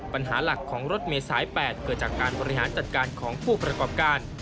ปัญหาหลักของรถเมษาย๘เกิดจากการบริหารจัดการของผู้ประกอบการ